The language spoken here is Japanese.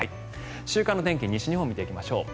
週間天気、西日本を見ていきましょう。